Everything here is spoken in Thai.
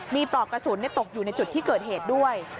มีปลอกกระสุนตกอยู่ในจุดที่เกิดเหตุด้วย